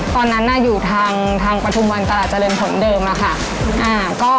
ตอนนั้นอยู่ทางประทุมวันตลาดเจริญผลเดิมอะค่ะ